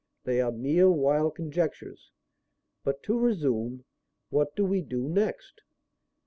They are mere wild conjectures. But to resume: what do we do next?"